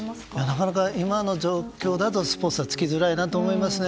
なかなか今の状況だとスポンサーは付きづらいなと思いますね。